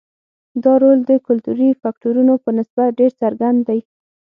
دا رول د کلتوري فکټورونو په نسبت ډېر څرګند دی.